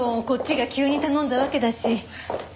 こっちが急に頼んだわけだし。